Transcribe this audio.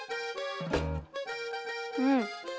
うん！